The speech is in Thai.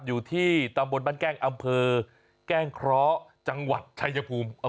อยู่ที่ตำบลบ้านแก้งอำเภอแก้งเคราะห์จังหวัดชายภูมิ